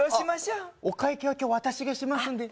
お会計は今日、私しますんで。